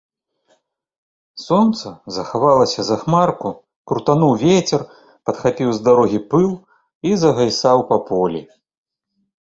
Сонца захавалася за хмарку, крутануў вецер, падхапіў з дарогі пыл і загайсаў па полі.